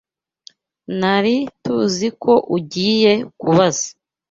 Nari TUZI ko ugiye kubaza.